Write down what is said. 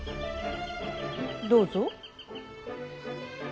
どうぞ。